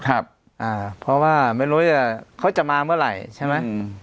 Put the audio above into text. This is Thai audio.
เพราะว่าไม่รู้ว่าเขาจะมาเมื่อไหร่ใช่ไหมอืม